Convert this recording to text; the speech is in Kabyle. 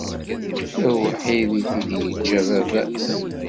D awḥid i t-id yeǧǧa baba-s.